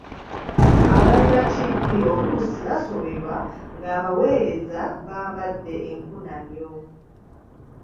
Abalabi ba ttivvi oluusi basoberwa ng’abaweereza bambadde enkunamyo.